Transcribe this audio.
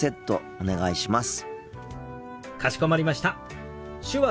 お願いします。